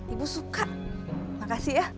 ibu suka makasih ya